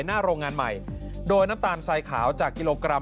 หน้าโรงงานใหม่โดยน้ำตาลทรายขาวจากกิโลกรัม